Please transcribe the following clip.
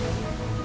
lo mau kemana